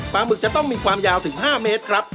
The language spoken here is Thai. หมึกจะต้องมีความยาวถึง๕เมตรครับ